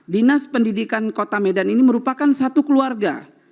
dinas pendidikan kota medan ini merupakan satu keluarga